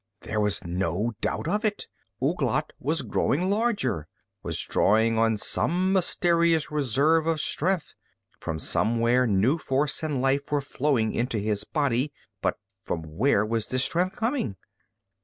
There was no doubt of it. Ouglat was growing larger, was drawing on some mysterious reserve of strength. From somewhere new force and life were flowing into his body. But from where was this strength coming?